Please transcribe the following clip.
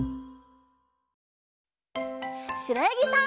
しろやぎさん。